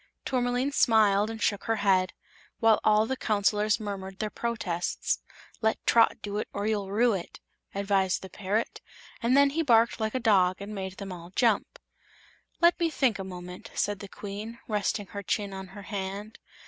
Tourmaline smiled and shook her head, while all the Counselors murmured their protests. "Let Trot do it Or you'll rue it!" advised the parrot, and then he barked like a dog and made them all jump. "Let me think a moment," said the Queen, resting her chin on her hand.